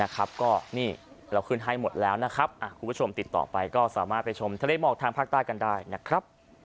ก็นี่เราขึ้นให้หมดแล้วนะครับคุณผู้ชมติดต่อไปก็สามารถไปชมทะเลหมอกทางภาคใต้กันได้นะครับ